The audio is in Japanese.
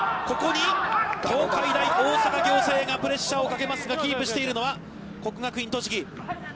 ここに、東海大大阪仰星がプレッシャーをかけますが、キープしているのは、国学院栃木。